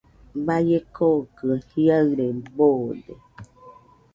Baie kokɨ jiaɨre boode.